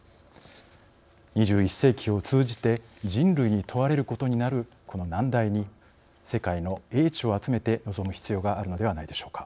２１世紀を通じて人類に問われることになるこの難題に世界の英知を集めて臨む必要があるのではないでしょうか。